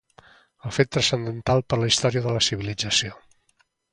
Un fet transcendental per a la història de la civilització.